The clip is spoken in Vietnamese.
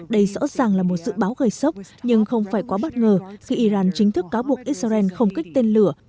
đây rõ ràng là một dự báo gây sốc nhưng không phải quá bất ngờ khi iran chính thức cáo buộc israel không kích tên lửa